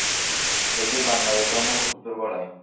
দেখি বাঙালীর ধর্ম কতদূর গড়ায়।